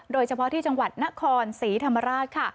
โดยเฉพาะที่จังหวัดนครศรีธรรมราชค่ะ